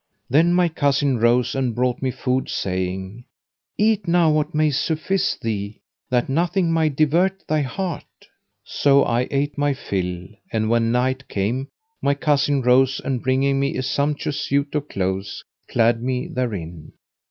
Then my cousin rose, and brought me food, saying, "Eat now what may suffice thee, that nothing may divert thy heart." So I ate my fill and, when night came, my cousin rose and bringing me a sumptuous suit of clothes clad me therein.